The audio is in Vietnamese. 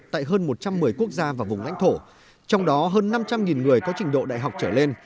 tại hơn một trăm một mươi quốc gia và vùng lãnh thổ trong đó hơn năm trăm linh người có trình độ đại học trở lên